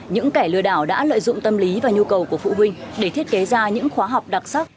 những kẻ lừa đảo đã lợi dụng tâm lý và nhu cầu của phụ huynh để thiết kế ra những khóa học đặc sắc